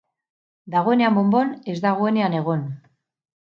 Dagoenean bonbon, ez dagoenean egon.